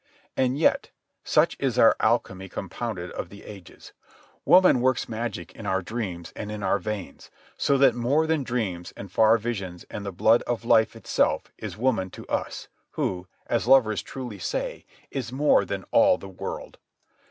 And yet, such is our alchemy compounded of the ages, woman works magic in our dreams and in our veins, so that more than dreams and far visions and the blood of life itself is woman to us, who, as lovers truly say, is more than all the world.